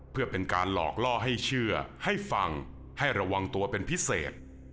เพื่อเป็นการหลอกล่อให้เชื่อให้ฟังให้ระวังตัวเป็นพิเศษ